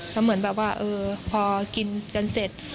แล้วเหมือนแบบว่าพอกินกันเสร็จ